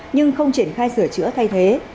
nhưng không triển khai sửa chữa thay thế